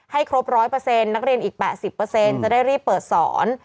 ครบ๑๐๐นักเรียนอีก๘๐จะได้รีบเปิดสอน